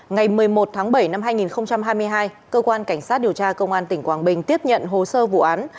ngày một mươi một tháng bảy năm hai nghìn hai mươi hai cơ quan cảnh sát điều tra công an tỉnh quảng bình tiếp nhận hồ sơ vụ án